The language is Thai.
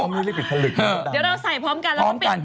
เดี๋ยวเราใส่พร้อมกัน